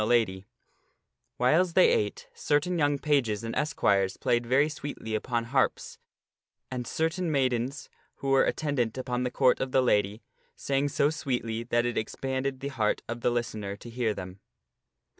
the Lady Ettard Whiles they ate, certain young pages and esquires played f ea ier ' very sweetly upon harps, and certain maidens who were attendant upon the Cor.rt of the lady sang so sweetly that it expanded the heart of the listener to hear them.